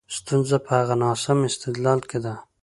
ستونزه په هغه ناسم استدلال کې ده.